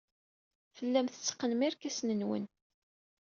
Tellam tetteqqnem irkasen-nwen.